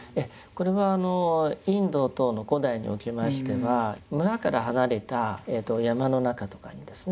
これはインド等の古代におきましては村から離れた山の中とかにですね